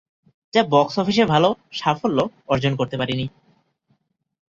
যা বক্স অফিসে ভালো সাফল্য অর্জন করতে পারেনি।